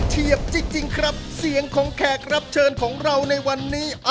เฉียบจริงครับเสียงของแขกรับเชิญของเราในวันนี้